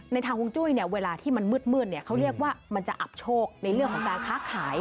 ในทางฮวงจุ้ยเนี่ยเวลาที่มันมืดเขาเรียกว่ามันจะอับโชคในเรื่องของการค้าขาย